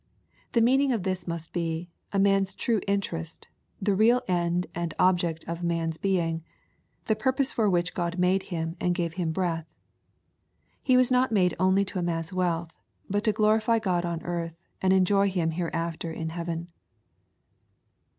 '] The meaning of this must be, " A man's true interest, — the real end and object of man's being, — the purpose for which Gk)d made him, and gave him breath." He was not made only to amass wealth, but to glorify God on earth, and enjoy Him hereafler in heaven.